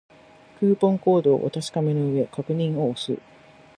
クーポンコードをお確かめの上、確認を押す